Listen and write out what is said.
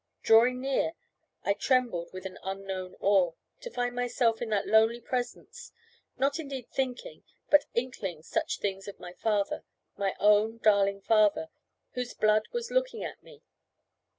Drawing near, I trembled with an unknown awe, to find myself in that lonely presence, not indeed thinking, but inkling such things of my father, my own darling father, whose blood was looking at me.